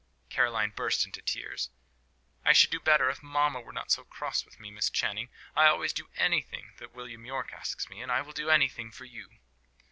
Caroline burst into tears. "I should do better if mamma were not so cross with me, Miss Channing. I always do anything that William Yorke asks me; and I will do anything for you."